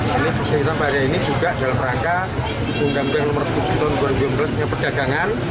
jadi kita bahaya ini juga dalam rangka undang undang nomor tujuh tahun dua ribu sembilan belas tentang pedagangan